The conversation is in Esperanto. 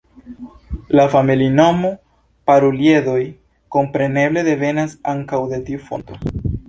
La familinomo, Paruliedoj, kompreneble devenas ankaŭ de tiu fonto.